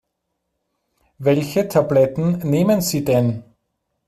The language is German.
Welche Tabletten nehmen Sie denn?